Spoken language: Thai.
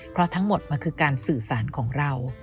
เพราะทั้งหมดมันคือการสื่อสารของเรา